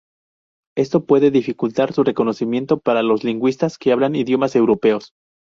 Esto puede dificultar su reconocimiento para los lingüistas que hablan idiomas europeos.